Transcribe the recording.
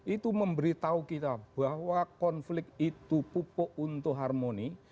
itu memberitahu kita bahwa konflik itu pupuk untuk harmoni